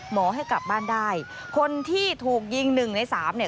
หมอให้กลับบ้านได้คนที่ถูกยิง๑ใน๓เนี่ย